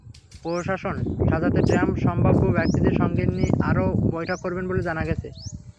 প্রশাসন সাজাতে ট্রাম্প সম্ভাব্য ব্যক্তিদের সঙ্গে আরও বৈঠক করবেন বলে জানা গেছে।